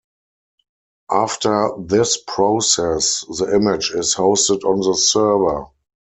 After this process, the image is hosted on the server.